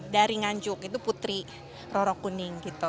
dari nganjuk itu putri roro kuning gitu